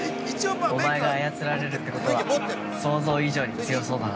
◆おまえが操られるってことは想像以上に強そうだな。